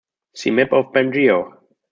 See map of Bengeo.